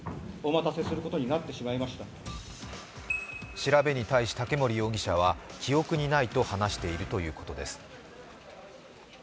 調べに対し竹森容疑者は記憶にないと話しているということです。